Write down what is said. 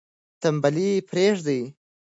تنبلي پریږدئ.